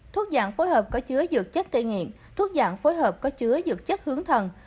thuốc dạng phối hợp có chứa dược chất cây nghiện thuốc dạng phối hợp có chứa dược chất hướng thần